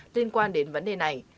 liên quan đến vấn đề này